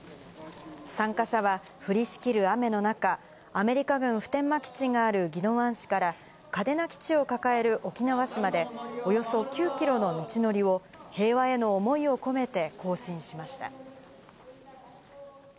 参加者は降りしきる雨の中、アメリカ軍普天間基地がある宜野湾市から、嘉手納基地を抱える沖縄市まで、およそ９キロの道のりを平和への思いを込めて行進しました。